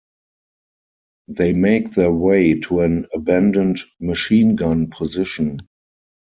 They make their way to an abandoned machine-gun position.